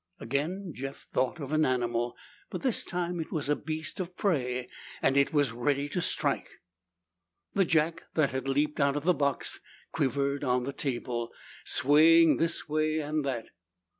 Again Jeff thought of an animal. But this time it was a beast of prey. And it was ready to strike. The jack that had leaped out of the box quivered on the table, swaying this way and that.